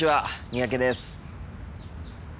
三宅です。